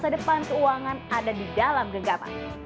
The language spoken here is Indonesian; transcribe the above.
dan keuangan ada di dalam genggaman